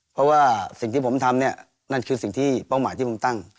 เพราะว่าสิ่งที่ผมทำเนี่ยนั่นคือสิ่งที่เป้าหมายที่ผมตั้ง